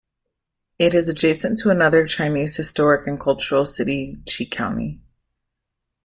It is adjacent to another Chinese Historic and Cultural City Qi County.